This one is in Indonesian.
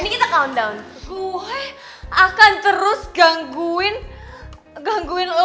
lisa ada yang neror gue